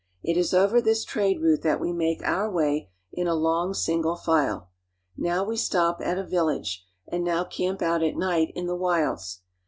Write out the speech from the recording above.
It is over this trade route j that we make our way in a long, single file. Now we stop l at a village, and now camp out at night in the wilds.